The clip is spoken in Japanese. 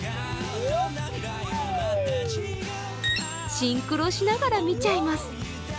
シンクロしながら見ちゃいます。